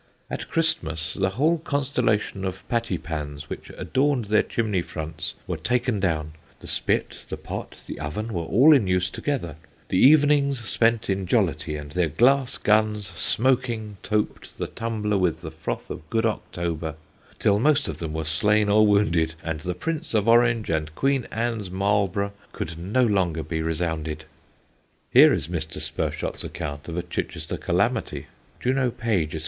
At Christmas, the whole Constellation of Pattypans which adorn'd their Chimney fronts were taken down. The Spit, the Pot, the Oven, were all in use together; the Evenings spent in Jollity, and their Glass Guns smoking Top'd the Tumbler with the froth of Good October, till most of them were slain or wounded, and the Prince of Orange, and Queen Ann's Marlborough, could no longer be resounded...." [Sidenote: THE DEATH OF A SWEARER] Here is Mr. Spershott's account of a Chichester calamity: "Jno. Page, Esq.